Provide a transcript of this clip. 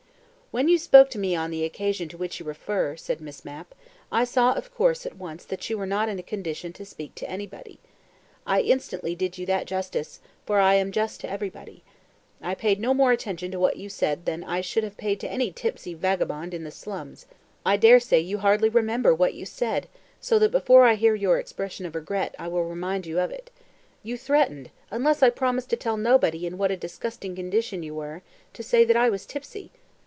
"When you spoke to me on the occasion to which you refer," said Miss Mapp, "I saw, of course, at once that you were not in a condition to speak to anybody. I instantly did you that justice, for I am just to everybody. I paid no more attention to what you said than I should have paid to any tipsy vagabond in the slums. I daresay you hardly remember what you said, so that before I hear your expression of regret, I will remind you of it. You threatened, unless I promised to tell nobody in what a disgusting condition you were, to say that I was tipsy.